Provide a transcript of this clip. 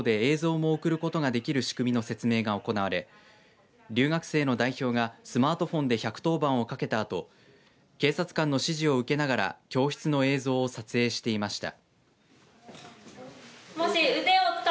また、１１０番通報で映像も送ることができる仕組みの説明が行われ留学生の代表がスマートフォンで１１０番をかけたあと警察官の指示を受けながら教室の映像を撮影していました。